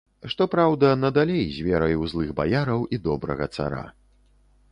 Што праўда, надалей з верай у злых баяраў і добрага цара.